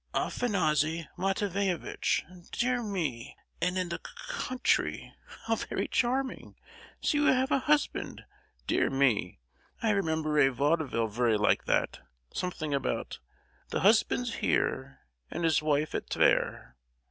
"Afanassy Matveyevitch. Dear me!—and in the co—country! how very charming! So you have a husband! dear me, I remember a vaudeville very like that, something about— "The husband's here, And his wife at Tvere."